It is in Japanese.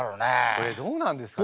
これどうなんですかね？